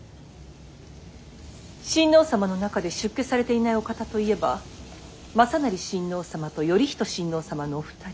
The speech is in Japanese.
親王様の中で出家されていないお方といえば雅成親王様と頼仁親王様のお二人。